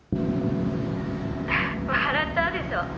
「笑っちゃうでしょ？